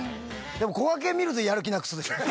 でもこがけん見るとやる気なくすでしょ。